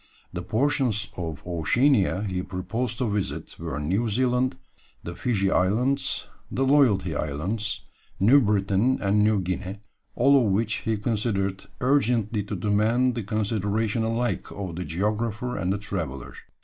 The portions of Oceania he proposed to visit were New Zealand, the Fiji Islands, the Loyalty Islands, New Britain, and New Guinea, all of which he considered urgently to demand the consideration alike of the geographer and the traveller.